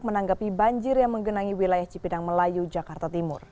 menanggapi banjir yang menggenangi wilayah cipinang melayu jakarta timur